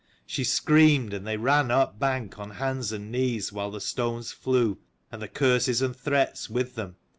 She screamed and they ran up bank on hands and knees while the stones flew, and the curses and threats with them.